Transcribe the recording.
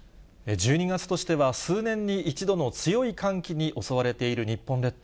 １２月としては数年に一度の強い寒気に襲われている日本列島。